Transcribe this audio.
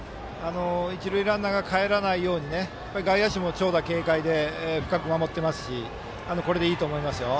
一塁ランナーがかえらないように外野手も長打警戒で深く守っていますしこれでいいと思います。